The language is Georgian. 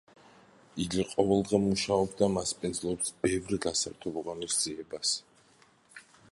იგი ყოველდღე მუშაობს და მასპინძლობს ბევრ გასართობ ღონისძიებას.